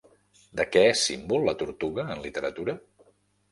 De què és símbol la tortuga en literatura?